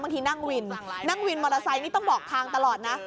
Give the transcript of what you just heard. ที่นั่งวินนั่งวินมอเตอร์ไซค์นี่ต้องบอกทางตลอดนะ